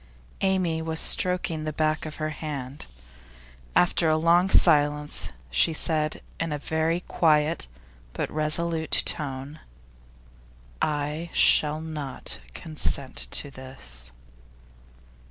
Amy was stroking the back of her hand. After a long silence, she said in a very quiet, but very resolute tone: 'I shall not consent to this.